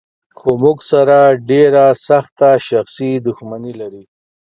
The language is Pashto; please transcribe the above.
خو زموږ سره ډېره سخته شخصي دښمني لري.